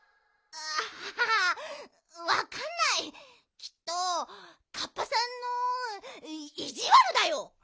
きっとカッパさんのいじわるだよ。